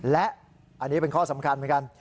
และอันนี้เป็นข้อสำคัญเหมือนกัน